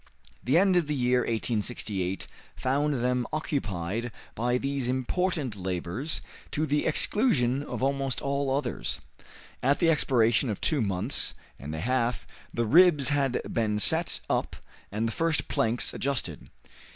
The end of the year 1868 found them occupied by these important labors, to the exclusion of almost all others. At the expiration of two months and a half the ribs had been set up and the first planks adjusted.